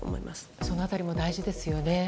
その辺りも大事ですよね。